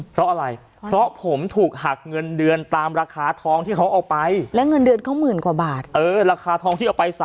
เพราะอะไรเพราะผมถูกหักเงินเดือนตามราคาทองที่เขาเอาไป